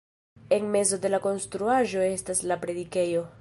En mezo de la konstruaĵo estas la predikejo.